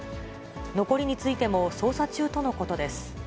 残りについても捜査中とのことです。